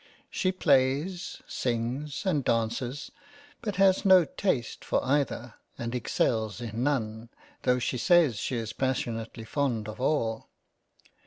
She plays, sings and Dances, but has no taste for either, and excells in none, tho' she says she is passionately fond of all.